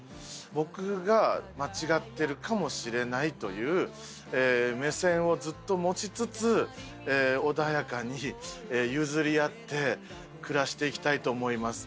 僕が間違ってるかもしれないという目線をずっと持ちつつ穏やかに譲り合って暮らしていきたいと思います。